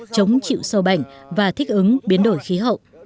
chống chịu sâu bệnh và thích ứng biến đổi khí hậu